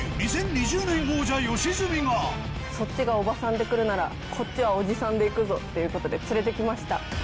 そっちがおばさんで来るならこっちはおじさんで行くぞっていうことで連れて来ました。